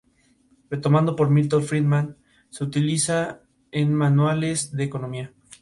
La isla no tiene infraestructura formal residencial ni carreteras.